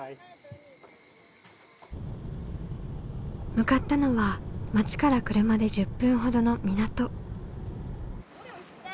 向かったのは町から車で１０分ほどの港。